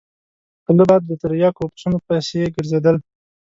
غله به د تریاکو او پسونو پسې ګرځېدل.